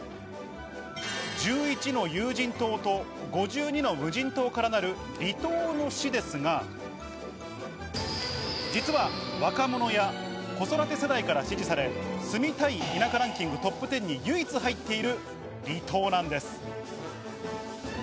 １１の有人島と５２の無人島からなる離島の市ですが、実は若者や、子育て世代から支持され、住みたい田舎ランキングトップ１０に唯一入っている離島なんです。